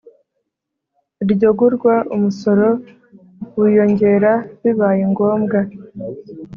Iryo gurwa umusoro wiyongera bibaye ngombwa